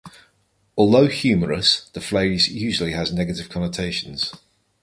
Although humorous, the phrase usually has negative connotations.